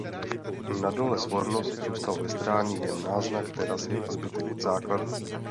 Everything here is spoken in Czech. Na dole Svornost zůstal ve stráni jen náznak terasy a zbytek základů.